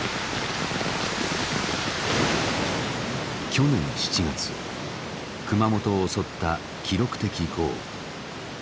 去年７月熊本を襲った記録的豪雨。